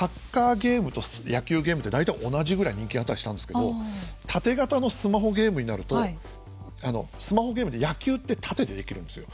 家でやるコンシューマーゲームはサッカーゲームと野球ゲームって大体同じぐらい人気があったりしたんですけどタテ型のスマホゲームになるとスマホゲームで野球って縦でできるんですよ。